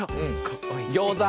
ギョーザ。